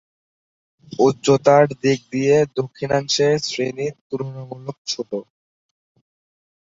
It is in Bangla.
উচ্চতার দিক দিয়ে দক্ষিণাংশের শ্রেণি তুলনামূলক ছোট।